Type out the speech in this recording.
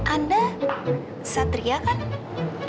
anda satria kan